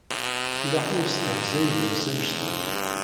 Ilaq ur stehzaɣ deg-s annect-en